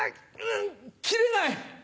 ん！切れない！